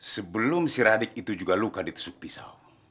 sebelum si radik itu juga luka di tesuk pisau